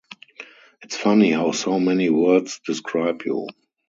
It's funny how so many words describe you.